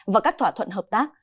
và các thỏa thuận hợp tác